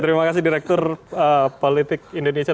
terima kasih direktur politik indonesia